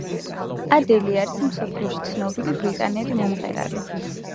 ადელი არის მსოფლიოში ცნობილი ბრიტანელი მომღერალი